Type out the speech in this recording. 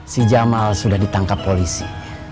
si jamal sudah ditangkap polisi